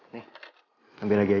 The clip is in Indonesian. nih ambil lagi aja